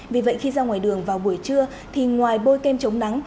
vì vậy khi ra ngoài đường vào buổi trưa thì ngoài bôi kem chống nắng